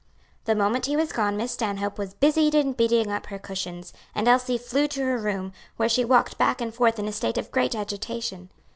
The moment he was gone Miss Stanhope was busied in beating up her cushions, and Elsie flew to her room, where she walked back and forth in a state of great agitation.